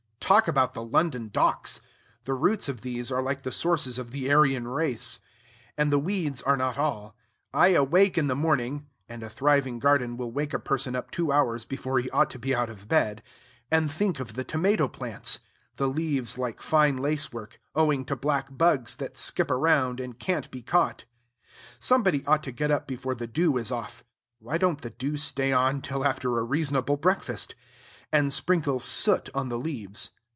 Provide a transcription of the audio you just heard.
Talk about the London Docks! the roots of these are like the sources of the Aryan race. And the weeds are not all. I awake in the morning (and a thriving garden will wake a person up two hours before he ought to be out of bed) and think of the tomato plants, the leaves like fine lace work, owing to black bugs that skip around, and can't be caught. Somebody ought to get up before the dew is off (why don't the dew stay on till after a reasonable breakfast?) and sprinkle soot on the leaves.